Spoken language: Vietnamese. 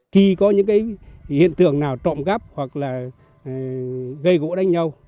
khi có những hiện tượng nào trộm gắp hoặc gây gỗ đánh nhau